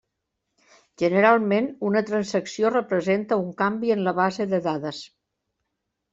Generalment, una transacció representa un canvi en la base de dades.